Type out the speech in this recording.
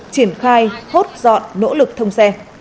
triển khai hốt dọn nỗ lực thông xe